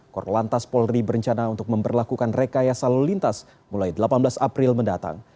korlantas polri berencana untuk memperlakukan rekayasa lalu lintas mulai delapan belas april mendatang